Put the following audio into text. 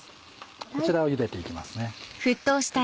こちらをゆでていきますね。